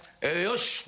よし。